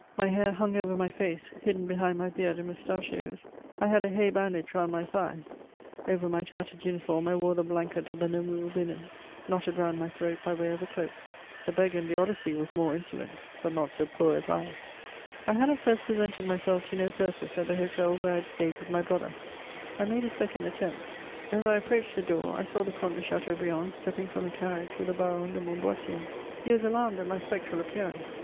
My hair hung over my face, hidden behind my beard and mustachios; I had a hay bandage round my thigh; over my tattered uniform I wore the blanket of the Namur women, knotted round my throat by way of a cloak. The beggar in the Odyssey was more insolent, but not so poor as I. I had at first presented myself to no purpose at the hotel where I had stayed with my brother: I made a second attempt; as I approached the door I saw the Comte de Chateaubriand stepping from a carriage with the Baron de Montboissier. He was alarmed at my spectral appearance.